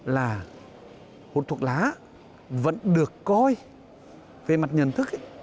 là hút thuốc lá vẫn được coi về mặt nhận thức